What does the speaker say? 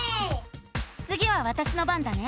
つぎはわたしの番だね。